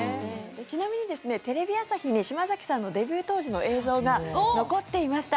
ちなみに、テレビ朝日に島崎さんのデビュー当時の映像が残っていました。